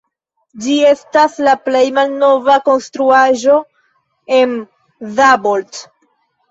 Ĝi estas la plej malnova konstruaĵo en Szabolcs.